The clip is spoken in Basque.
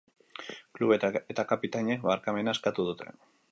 Klubek eta kapitainek barkamena eskatu dute.